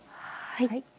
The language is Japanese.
はい。